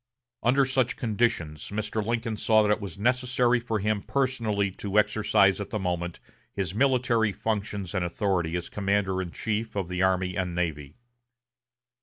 Under such conditions, Mr. Lincoln saw that it was necessary for him personally to exercise at the moment his military functions and authority as commander in chief of the army and navy.